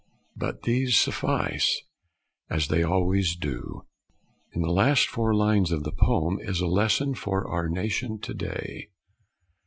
But these suffice, as they always do. In the last four lines of the poem is a lesson for our nation to day.